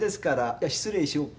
じゃ失礼しようか。